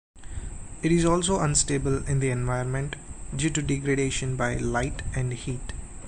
It is also unstable in the environment due to degradation by light and heat.